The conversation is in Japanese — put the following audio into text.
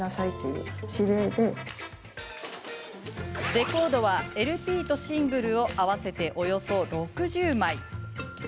レコードはＬＰとシングルを合わせておよそ６０枚。